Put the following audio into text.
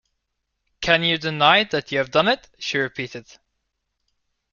“Can you deny that you have done it?” she repeated.